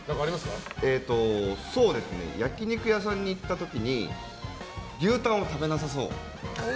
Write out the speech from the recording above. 焼き肉屋さんに行った時に牛タンを食べなさそう。